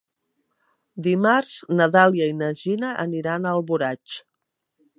Dimarts na Dàlia i na Gina aniran a Alboraig.